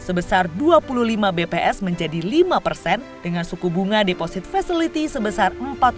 sebesar dua puluh lima bps menjadi lima dengan suku bunga deposit facility sebesar empat dua puluh lima